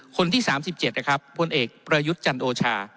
คนที่๓๗นะครับพลเอกประยุทธ์จันโอชา